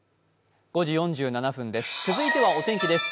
続いてはお天気です。